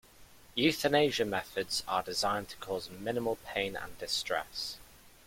Euthanasia methods are designed to cause minimal pain and distress.